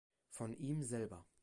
Von ihm selber.